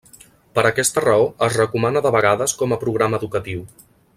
Per aquesta raó es recomana de vegades com a programa educatiu.